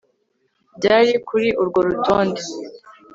Byari kuri urwo rutonde